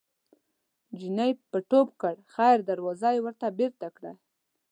چیني به ټوپ کړ خیر دروازه یې ورته بېرته کړه.